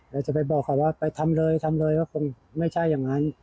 แล้วจะไปบอกเขาว่าไปทำเลยทำเลยว่าคงไม่ใช่อย่างนั้น